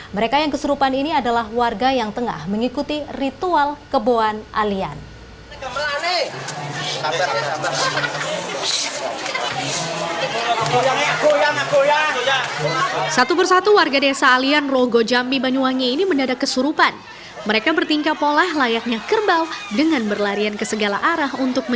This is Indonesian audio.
mereka yang kesurupan ini adalah warga yang tengah mengikuti ritual kebohan alian